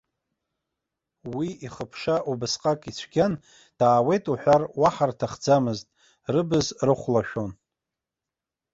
Уи ихԥша убасҟак ицәгьан, даауеит уҳәар, уаҳа рҭахӡамызт, рыбз рыхәлашәон.